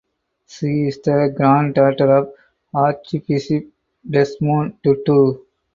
She is the granddaughter of Archbishop Desmond Tutu.